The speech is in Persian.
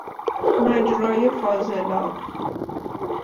مجرا فاضل آب